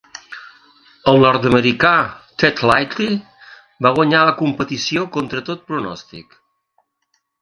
El nord-americà Ted Ligety va guanyar la competició contra tot pronòstic.